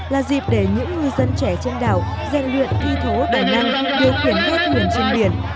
là dịp để những ngư dân trẻ trên đảo gian luyện thi thố tài năng điều khiển đua thuyền trên biển